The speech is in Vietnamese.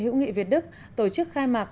hữu nghị việt đức tổ chức khai mạc